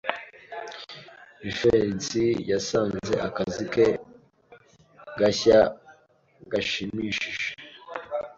Jivency yasanze akazi ke gashya gashimishije.